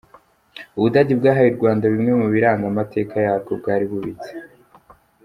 U Budage bwahaye u Rwanda bimwe mu biranga amateka yarwo bwari bubitse